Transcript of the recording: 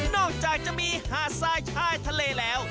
นอกจากจะมีหาดทรายชายทะเลแล้ว